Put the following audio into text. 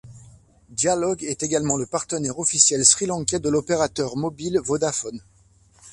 Dialog est également le partenaire officiel Sri Lankais de l'opérateur mobile Vodafone.